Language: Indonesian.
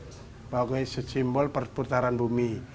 sebagai simbol perputaran bumi